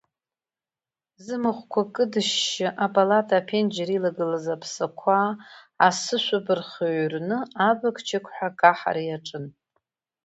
Зымахәқәа кыдышьшьы апалата аԥенџьыр илагылаз аԥсақәа асышәыб рхьыҩрны абық-ҷықҳәа акаҳара иаҿын.